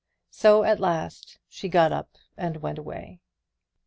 So at last she got up and went away.